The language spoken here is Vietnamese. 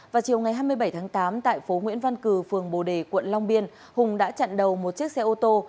vào chiều ngày hai mươi bảy tháng tám tại phố nguyễn văn cử phường bồ đề quận long biên hùng đã chặn đầu một chiếc xe ô tô